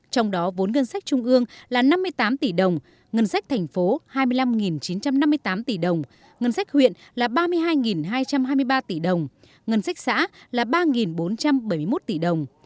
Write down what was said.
trong đó vốn ngân sách trung ương là năm mươi tám tỷ đồng ngân sách thành phố hai mươi năm chín trăm năm mươi tám tỷ đồng ngân sách huyện là ba mươi hai hai trăm hai mươi ba tỷ đồng ngân sách xã là ba bốn trăm bảy mươi một tỷ đồng